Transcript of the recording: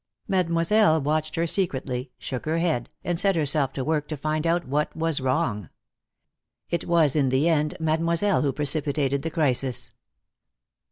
Mademoiselle watched her secretly, shook her head, and set herself to work to find out what was wrong. It was, in the end, Mademoiselle who precipitated the crisis.